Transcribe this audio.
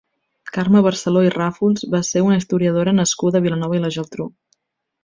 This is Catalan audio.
Carme Barceló i Ràfols va ser una historiadora nascuda a Vilanova i la Geltrú.